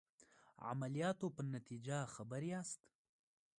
عملیاتو په نتیجه خبر یاست.